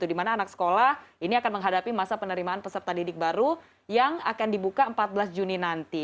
di mana anak sekolah ini akan menghadapi masa penerimaan peserta didik baru yang akan dibuka empat belas juni nanti